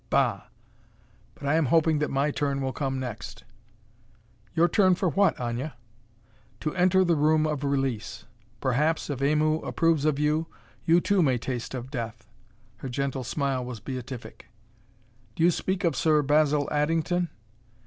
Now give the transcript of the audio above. Bah! But I am hoping that my turn will come next." "Your turn for what, Aña?" "To enter the Room of Release. Perhaps, if Aimu approves of you, you, too, may taste of death." Her gentle smile was beatific. "Do you speak of Sir Basil Addington?"